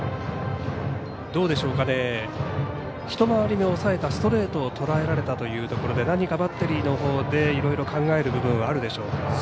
１回り目抑えたストレートをとらえられたということで何かバッテリーのほうでいろいろ考える部分はあるでしょうか？